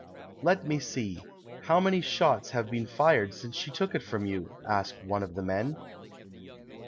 "Let me see ; how many shots have been fired since she took it from you V " asked one of the men.